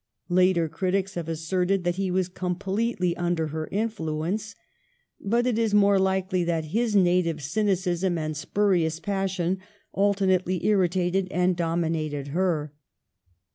Later critics have asserted that he was completely under her influence, but it is more likely that his native cynicism and spurious passion alternately irritated and dominated her.